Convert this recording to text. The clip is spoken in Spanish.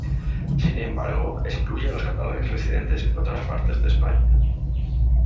Sin embargo, excluye a los catalanes residentes en otras partes de España.